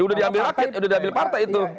udah diambil rakyat udah diambil partai itu